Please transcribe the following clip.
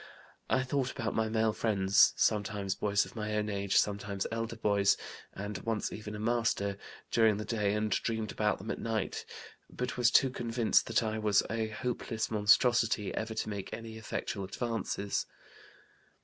I thought about my male friends sometimes boys of my own age, sometimes elder boys, and once even a master during the day and dreamed about them at night, but was too convinced that I was a hopeless monstrosity ever to make any effectual advances.